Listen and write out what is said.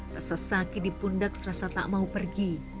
rasa sakit di pundak serasa tak mau pergi